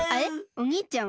おにいちゃんは？